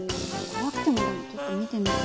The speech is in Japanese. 怖くてもちょっと見てみたい。